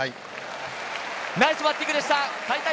ナイスバッティングでした。